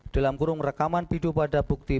dalam kurung rekaman video pada bukti